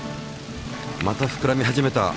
またふくらみ始めた。